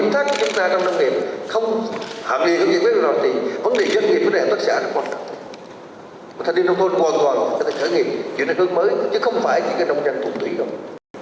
thủ tướng yêu cầu khởi nghiệp và phát triển doanh nghiệp mới chứ không phải những nông dân thủ tủy không